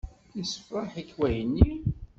Yessefṛaḥ-ik wayenni?